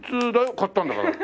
買ったんだから。